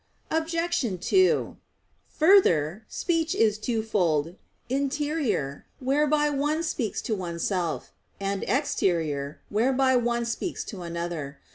Obj. 2: Further, speech is twofold; interior, whereby one speaks to oneself; and exterior, whereby one speaks to another.